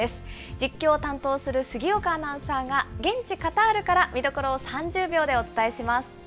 実況を担当する杉岡アナウンサーが、現地カタールから見どころを３０秒でお伝えします。